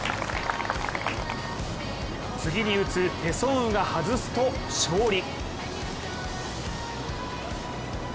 次に打つペ・ソンウが外すと勝利。